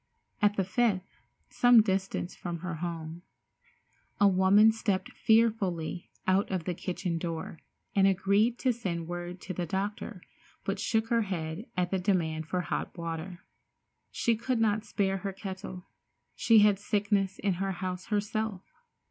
At the fifth, some distance from her home, a woman stepped fearfully out of the kitchen door, and agreed to send word to the doctor, but shook her head at the demand for hot water. She could not spare her kettle. She had sickness in the house herself.